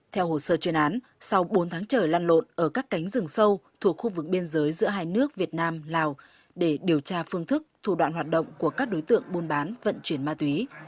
theo hồ sơ chuyên án sau bốn tháng trời lăn lộn ở các cánh rừng sâu thuộc khu vực biên giới giữa hai nước việt nam lào để điều tra phương thức thủ đoạn hoạt động của các đối tượng buôn bán vận chuyển ma túy